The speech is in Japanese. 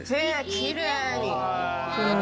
きれいに。